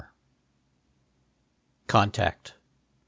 1/5 CONTACT.